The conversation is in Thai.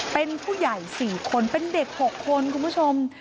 เป็นผู้ใหญ่๔คนเป็นเด็ก๖คนคุณผู้ชม